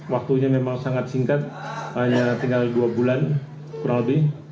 waktunya memang sangat singkat hanya tinggal dua bulan kurang lebih